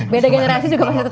beda generasi juga sama ya